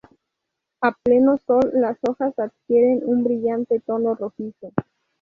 A pleno sol las hojas adquieren un brillante tono rojizo.